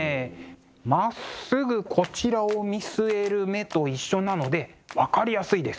まっすぐこちらを見据える目と一緒なので分かりやすいです。